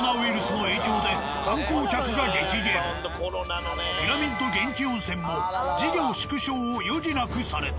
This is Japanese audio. しかしピラミッド元氣温泉も事業縮小を余儀なくされた。